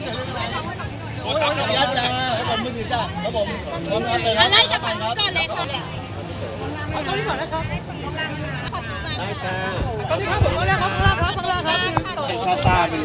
แล้วคุณพิมพ์ออกมาขอบใจ